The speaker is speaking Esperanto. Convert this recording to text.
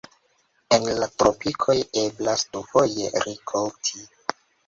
En la tropikoj eblas dufoje rikolti.